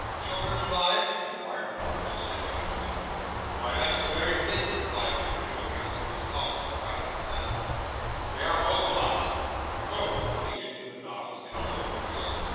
'Children alive?' inquired Noggs, stepping up to him. 'Why, that's the very thing,' replied Mr. Nickleby, as though his thoughts were about them at that moment. 'They are both alive.' 'Both!' repeated Newman Noggs, in a low voice.